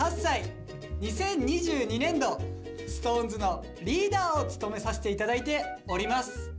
地２０２２年度ＳｉｘＴＯＮＥＳのリーダーを務めさせて頂いております。